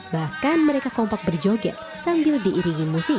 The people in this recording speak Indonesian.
bahkan mereka kompak berjoget sambil diiringi musik